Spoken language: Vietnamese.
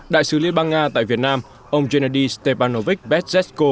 đại sứ liên bang nga tại việt nam ông gennady stepanovich petr zesko